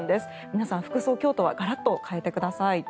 皆さん服装、今日とはガラッと変えてください。